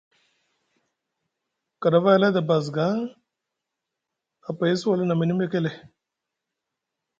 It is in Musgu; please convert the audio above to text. Kiɗaf a hala edi basga a payasi wala na mini mekele.